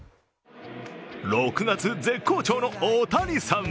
６月絶好調のオオタニサン。